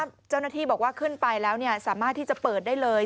เจ้าหน้าที่บอกว่าขึ้นไปแล้วสามารถที่จะเปิดได้เลย